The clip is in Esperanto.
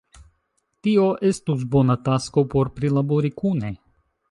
tio estus bona tasko por prilabori kune.